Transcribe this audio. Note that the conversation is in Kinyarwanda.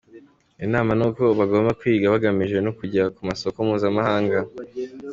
Inama ni uko bagomba kwiga bagamije no kujya ku masoko mpuzamahanga”.